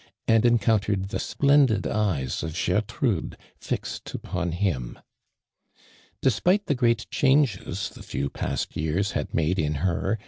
and encountered the splen did eyes of (Jertrude fixed upon him. Despite the great changes tiie \(\w past years had mad(i in hei'.